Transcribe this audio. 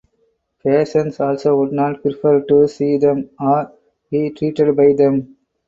Patients also would not prefer to see them or be treated by them.